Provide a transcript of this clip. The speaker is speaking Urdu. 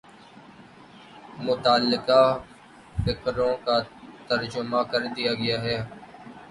متعلقہ فقروں کا ترجمہ کر دیا گیا ہے